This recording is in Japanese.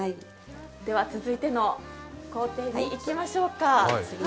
では続いての工程にいきましょうか。